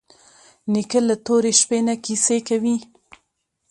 نیکه له تورې شپې نه کیسې کوي.